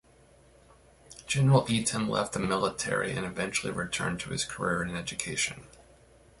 General Eaton left the military and eventually returned to his career in education.